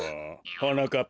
はなかっぱ！